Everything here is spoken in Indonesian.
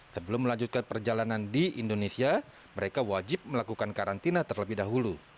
sebelum melanjutkan perjalanan di indonesia mereka wajib melakukan karantina terlebih dahulu